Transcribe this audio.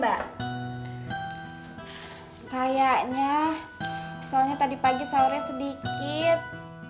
mbak kayaknya soalnya tadi pagi saurnya sedikit